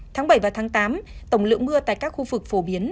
tháng bảy và tháng tám tổng lượng mưa tại các khu vực phổ biến